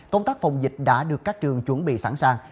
công tác phòng dịch đã được các trường chuẩn bị sẵn sàng